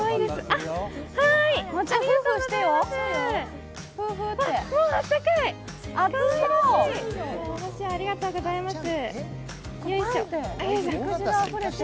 ありがとうございます。